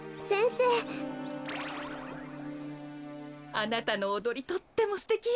あなたのおどりとってもすてきよ。